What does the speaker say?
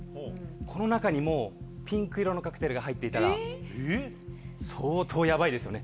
この中にもうピンク色のカクテルが入っていたら相当ヤバいですよね。